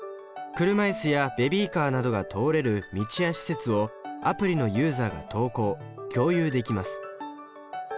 車いすやベビーカーなどが通れる道や施設をアプリのユーザが投稿共有できます。